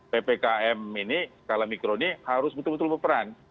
ppkm ini skala mikro ini harus betul betul berperan